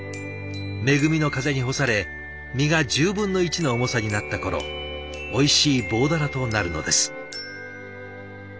恵みの風に干され身が１０分の１の重さになった頃おいしい棒鱈となるのです。